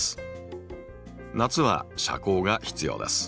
夏は遮光が必要です。